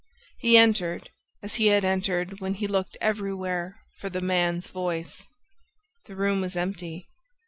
He entered, as he had entered when he looked everywhere for "the man's voice." The room was empty.